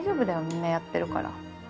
みんなやってるから。